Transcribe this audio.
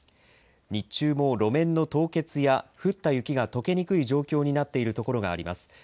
日中も路面の凍結や降った雪がとけにくい状況になっているところがあります。